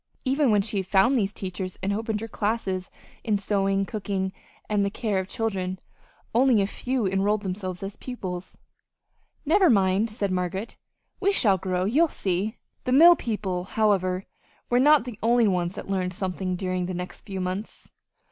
Even when she had found these teachers and opened her classes in sewing, cooking, and the care of children, only a few enrolled themselves as pupils. "Never mind," said Margaret, "we shall grow. You'll see!" The mill people, however, were not the only ones that learned something during the next few months.